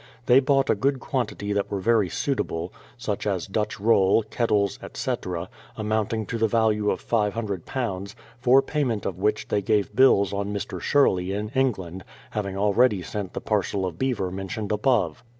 They bought a good quantity that were very suitable, such as Dutch roll, kettles, etc., amounting to the value of £500, for pay ment of which they gave bills on Mr. Sherley in England, having already sent the parcel of beaver mentioned above.